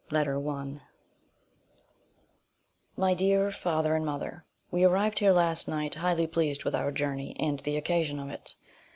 LETTER I My dear father and mother, We arrived here last night, highly pleased with our journey, and the occasion of it.